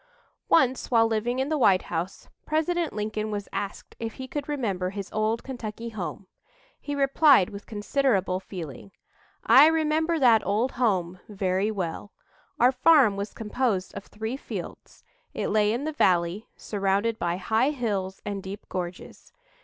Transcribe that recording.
Once while living in the White House, President Lincoln was asked if he could remember his "old Kentucky home." He replied with considerable feeling: "I remember that old home very well. Our farm was composed of three fields. It lay in the valley, surrounded by high hills and deep gorges.